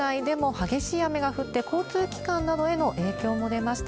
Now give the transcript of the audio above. きのうは市内でも激しい雨が降って、交通機関などへの影響も出ました。